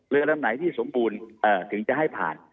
เรือลำไหนที่สมบูรณ์ถึงจะให้ผ่าน